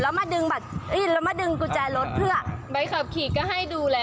แล้วมาดึงบัตรแล้วมาดึงกุญแจรถเพื่อใบขับขี่ก็ให้ดูแล